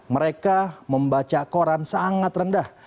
mereka membaca koran sangat rendah